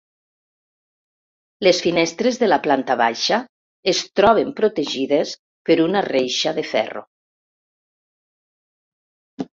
Les finestres de la planta baixa es troben protegides per una reixa de ferro.